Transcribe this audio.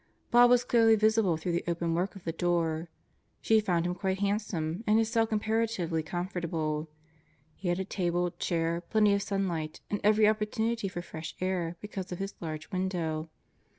Bob was clearly visible through the open work of the door. She found him quite hand some, and his cell comparatively comfortable. He had a table, chair, plenty of sunlight, and every opportunity for fresh air because of his large window.